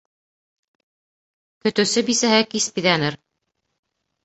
Көтөүсе бисәһе кис биҙәнер.